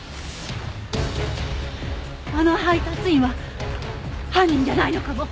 あの配達員は犯人じゃないのかも！